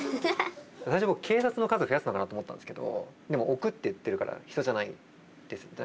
最初僕警察の数を増やすのかなと思ったんですけどでも「置く」って言ってるから人じゃないですよね。